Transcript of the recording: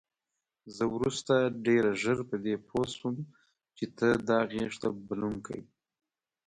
زه وروسته ډېره ژر په دې پوه شوم چې ته دا غېږ ته بلونکی.